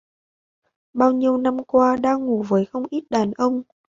bao nhiêu năm qua đã ngủ với không ít đàn ông